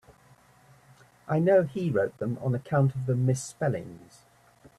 I know he wrote them on account of the misspellings.